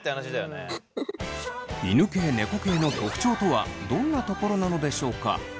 犬系・猫系の特徴とはどんなところなのでしょうか。